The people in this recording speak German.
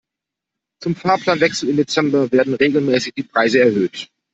Zum Fahrplanwechsel im Dezember werden regelmäßig die Preise erhöht.